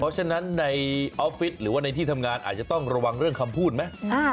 เพราะฉะนั้นในออฟฟิศหรือว่าในที่ทำงานอาจจะต้องระวังเรื่องคำพูดไหม